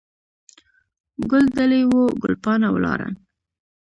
ګل دلې وو، ګل پاڼه ولاړه.